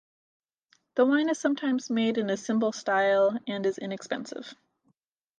The wine is sometimes made in a simple style and is inexpensive.